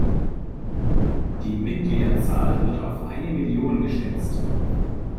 Die Mitgliederzahl wird auf eine Million geschätzt.